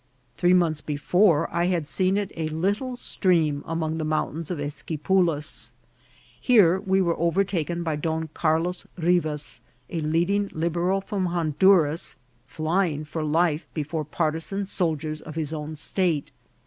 Three months before I had seen it a little stream among the mountains of Esquipulas. Here we were overtaken by Don Carlos Rivas, a leading Liber al from Honduras, flying for life before partisan sol THERMAL SPRINGS. 45 diers of his own state.